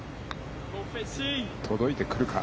届いてくるか。